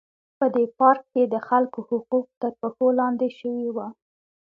په دې پارک کې د خلکو حقوق تر پښو لاندې شوي وو.